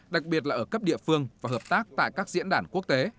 đặc biệt là ở cấp địa phương và hợp tác tại các diễn đàn quốc tế